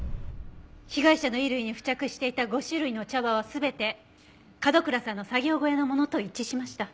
被害者の衣類に付着していた５種類の茶葉は全て角倉さんの作業小屋のものと一致しました。